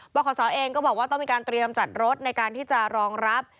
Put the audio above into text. ขอสอเองก็บอกว่าต้องมีการเตรียมจัดรถในการที่จะรองรับ